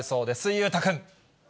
裕太君。